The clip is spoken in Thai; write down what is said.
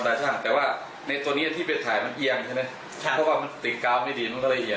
เรียกว่าในตัวเนี้ยที่เปิดถ่ายมันเอียงใช่เนี้ย